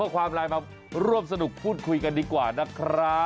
ความไลน์มาร่วมสนุกพูดคุยกันดีกว่านะครับ